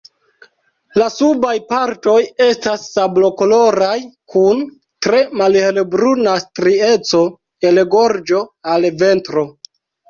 La subaj partoj estas sablokoloraj, kun tre malhelbruna strieco el gorĝo al ventro.